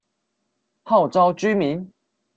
號召居民